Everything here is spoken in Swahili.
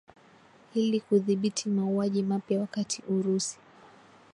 ili kudhibiti mauaji mapya wakati urusi